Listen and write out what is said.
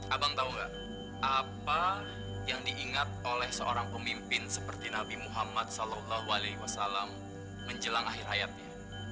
abang tahu nggak apa yang diingat oleh seorang pemimpin seperti nabi muhammad saw menjelang akhir hayatnya